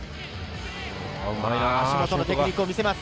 足元のテクニックを見せます。